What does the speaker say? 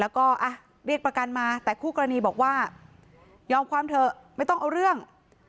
แล้วก็เรียกประกันมาแต่คู่กรณีบอกว่ายอมความเถอะไม่ต้องเอาเรื่อง